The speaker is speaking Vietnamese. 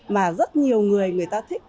mà rất nhiều người người ta thích